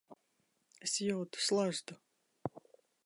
Es jūtu slazdu.